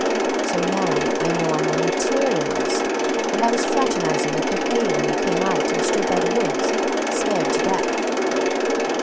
So now I know I'm a materialist and I was fraternizing with the hay when you came out and stood by the woods, scared to death."